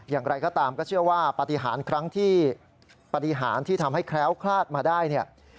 อย่างไรก็ตามก็เชื่อว่าปฏิหารที่ทำให้แคล้วคลาสมาได้